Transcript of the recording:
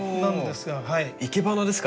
生け花ですか？